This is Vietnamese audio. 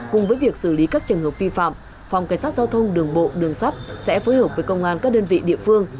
cùng với việc xử lý các trường hợp vi phạm phòng cảnh sát giao thông đường bộ đường sắt sẽ phối hợp với công an các đơn vị địa phương